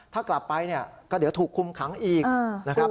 ถ้ากลับไปเนี่ยก็เดี๋ยวถูกคุมขังอีกนะครับ